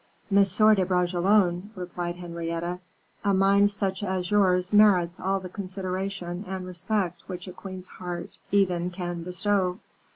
"Monsieur de Bragelonne," replied Henrietta, "a mind such as your merits all the consideration and respect which a queen's heart even can bestow.